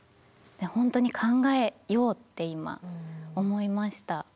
本当に考えようって今思いました。